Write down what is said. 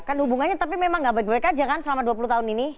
kan hubungannya tapi memang gak baik baik aja kan selama dua puluh tahun ini